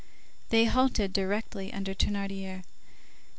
They halted directly under Thénardier.